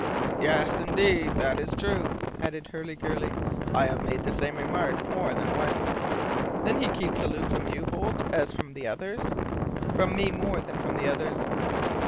"Yes, indeed, that is true," added Hurliguerly; "I have made the same remark more than once." "Then he keeps aloof from you, Holt, as from the others?" "From me more than from the others."